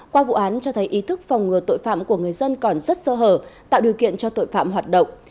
qua vụ án cho thấy ý thức phòng ngừa tội phạm của người dân còn rất sơ hở tạo điều kiện cho tội phạm hoạt động